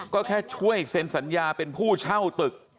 ก็แค่ช่วยเซ็นสัญญาเป็นผู้เช่าตึก